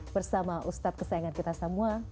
bersama ustadz kesayangan kita semua